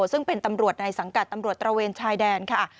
ซึ่งเป็นตำรวจในสังกัดตำรวจตระเวนชายแดนค่ะ